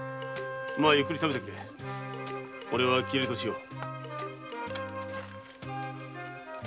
まゆっくり食べてくれおれは消えるとしよう。